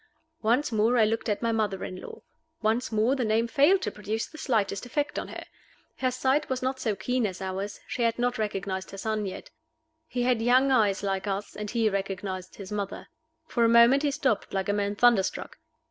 Once more I looked at my mother in law. Once more the name failed to produce the slightest effect on her. Her sight was not so keen as ours; she had not recognized her son yet. He had young eyes like us, and he recognized his mother. For a moment he stopped like a man thunderstruck.